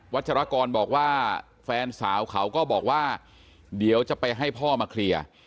ชรกรบอกว่าแฟนสาวเขาก็บอกว่าเดี๋ยวจะไปให้พ่อมาเคลียร์